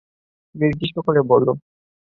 নির্দিষ্ট করবে বলো।